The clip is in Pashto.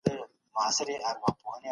ملکیت د انسان د ژوند د ارامۍ لپاره اړین دی.